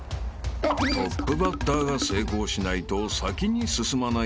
［トップバッターが成功しないと先に進まない